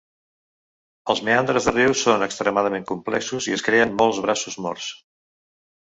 Els meandres del riu són extremadament complexos i es creen molts braços morts.